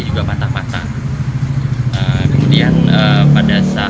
berluka di sebujur tubuh dan kedua tangan dan kaki berluka di sebujur tubuh dan kedua tangan dan kaki